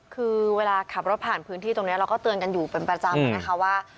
คือเวลาขับรถผ่านพื้นที่ตรงนี้เราก็เตือนกันอยู่เป็นประจำนะคะว่า